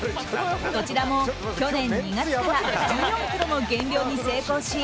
こちらも去年２月から１４ｋｇの減量に成功し